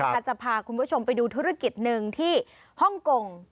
จะพาคุณผู้ชมไปดูธุรกิจหนึ่งที่ฮ่องกง